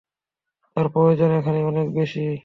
তোর প্রয়োজন এখানে অনেক বেশি।